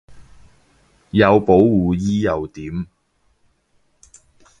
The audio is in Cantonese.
有保護衣又點